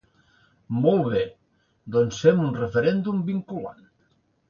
Molt bé, doncs fem un referèndum vinculant.